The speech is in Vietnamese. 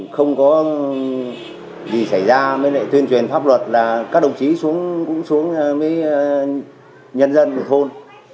không có gì xảy ra tuyên truyền pháp luật là các đồng chí xuống với nhân dân của thôn